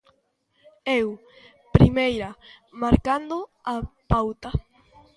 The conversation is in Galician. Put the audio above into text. eu, primeira, marcando a pauta.